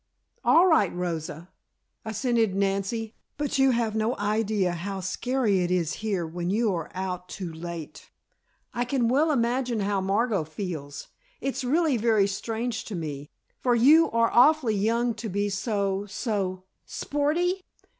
"All right, Rosa," assented Nancy, "but you have no idea how scary it is here when you are out too late. I can well imagine how Margot feels. It's really very strange to me, for you are awfully young to be so so " "Sporty!"